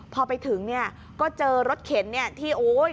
พอไปถึงก็เจอรถเข็นที่โอ้โห